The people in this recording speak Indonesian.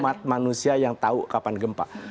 umat manusia yang tahu kapan gempa